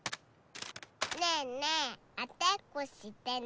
ねえねえあてっこしてね。